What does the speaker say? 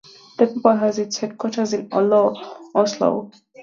The paper has its headquarters in Oslo.